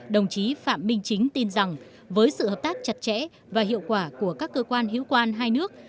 đồng chí phạm minh chính tin rằng với sự hợp tác chặt chẽ và hiệu quả của các cơ quan hữu quan hai nước